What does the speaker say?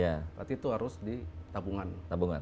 berarti itu harus di tabungan